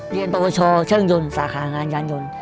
เรียนประโยชน์ช่างยนต์สาขางานการยนต์